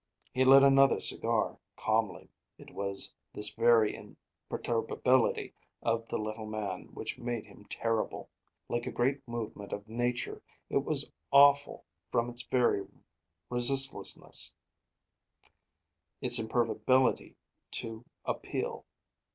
He lit another cigar, calmly. It was this very imperturbability of the little man which made him terrible. Like a great movement of Nature, it was awful from its very resistlessness; its imperviability to appeal.